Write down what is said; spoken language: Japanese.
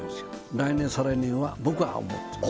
来年再来年は僕は思ってます